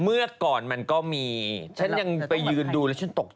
เมื่อก่อนมันก็มีฉันอยู่ดูกินต้องกิน